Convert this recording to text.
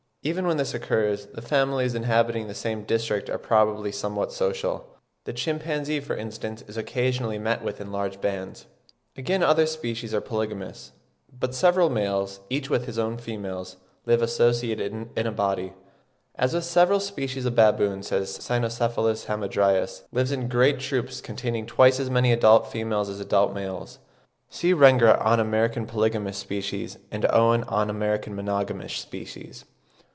Even when this occurs, the families inhabiting the same district are probably somewhat social; the chimpanzee, for instance, is occasionally met with in large bands. Again, other species are polygamous, but several males, each with his own females, live associated in a body, as with several species of baboons. (9. Brehm ('Thierleben,' B. i. p. 77) says Cynocephalus hamadryas lives in great troops containing twice as many adult females as adult males. See Rengger on American polygamous species, and Owen ('Anatomy of Vertebrates,' vol. iii. p. 746) on American monogamous species.